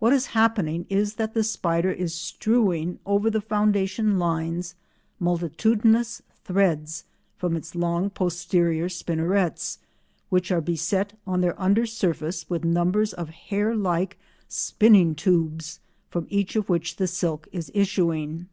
What is happening is that the spider is strewing over the foundation lines multitudinous threads from its long posterior spinnerets, which are beset on their under surface with numbers of hair like spinning tubes from each of which the silk is issuing.